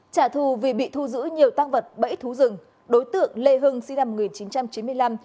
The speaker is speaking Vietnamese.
trả thù vì bị thu giữ nhiều tăng vật bẫy thú rừng đối tượng lê hưng sinh năm một nghìn chín trăm chín mươi năm